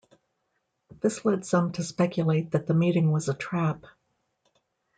This led some to speculate that the meeting was a trap.